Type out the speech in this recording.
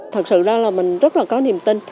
thật sự là mình rất là có niềm tin